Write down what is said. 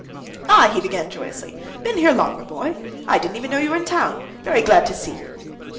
"Ah!" he began joyously. "Been here long, my boy? I didn't even know you were in town. Very glad to see you."